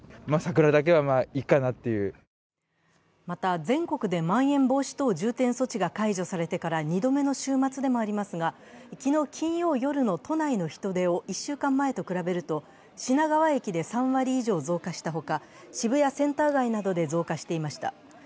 また、全国でまん延防止等重点措置が解除されてから２度目の週末でもありますが、昨日、金曜夜の都内の人出を１週間前と比べると、品川駅で３割以上増加したほか渋谷センター街などで増加していました。